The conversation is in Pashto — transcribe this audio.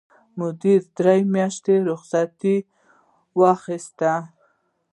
مدیرې درې میاشتې رخصت واخیست.